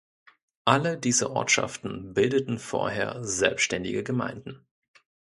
Alle diese Ortschaften bildeten vorher selbständige Gemeinden.